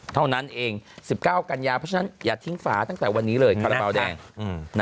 เท่านั้นเอง๑๙กันยาเพราะฉะนั้นอย่าทิ้งฝาตั้งแต่วันนี้เลยคาราบาลแดง